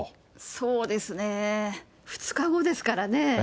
そうですね。２日後ですからね。